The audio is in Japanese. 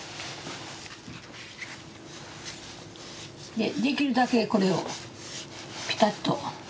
できるだけこれをピタッと。